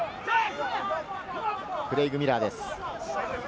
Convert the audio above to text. クレイグ・ミラーです。